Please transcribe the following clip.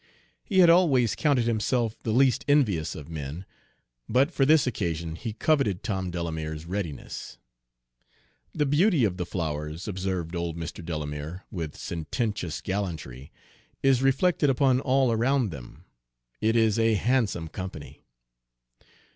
He had always counted himself the least envious of men, but for this occasion he coveted Tom Delamere's readiness. "The beauty of the flowers," observed old Mr. Delamere, with sententious gallantry, "is reflected upon all around them. It is a handsome company."